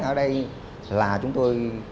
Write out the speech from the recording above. ở đây là chúng tôi